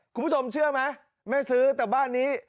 คุณผู้ชมเชื่อไหมแม่ซื้อแต่บ้านนี้